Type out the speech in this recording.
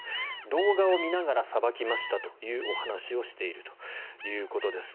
動画を見ながらさばきましたというお話をしているということです。